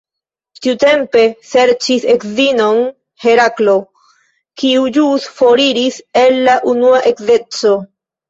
Tiutempe serĉis edzinon Heraklo, kiu ĵus foriris el la unua edzeco.